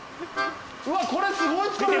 うわっこれすごい疲れる。